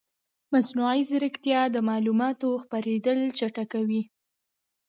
مصنوعي ځیرکتیا د معلوماتو خپرېدل چټکوي.